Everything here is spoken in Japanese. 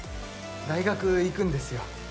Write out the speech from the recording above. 大学行くんですよ。